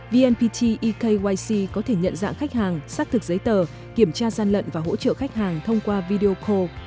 vnpt ekyc có thể nhận dạng khách hàng xác thực giấy tờ kiểm tra gian lận và hỗ trợ khách hàng thông qua video call